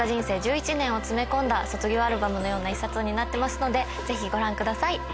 １１年を詰め込んだ卒業アルバムのような一冊になってますのでぜひご覧ください。